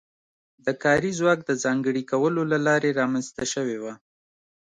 د کاري ځواک د ځانګړي کولو له لارې رامنځته شوې وه.